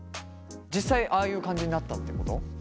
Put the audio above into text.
実際ああいう感じになったってこと？